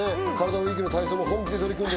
ＷＥＥＫの体操も本気で取り組んだ。